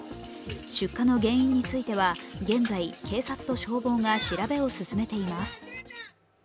出火の原因については現在、警察と消防が調べを進めています。